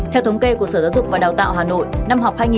theo thống kê của sở giáo dục và đào tạo hà nội